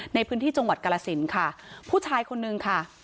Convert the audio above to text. ในพื้นที่จังหวัดกรสินค่ะผู้ชายคนนึงค่ะ